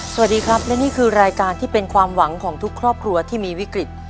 สวัสดีครับและนี่คือรายการที่เป็นความหวังของทุกครอบครัวที่มีวิกฤต